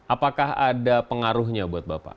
apakah ada pengaruhnya buat bapak